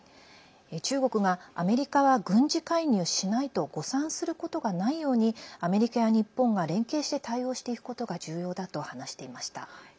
中国がアメリカは軍事介入しないと誤算することがないようにアメリカや日本が連携して対応していくことが重要だと話していました。